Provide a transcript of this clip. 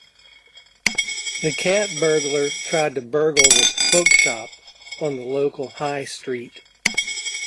The cat burglar tried to burgle the bookshop on the local High Street